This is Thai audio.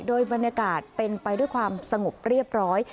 โดยบรรยากาศเป็นไปด้วยความสงบเรียบร้อย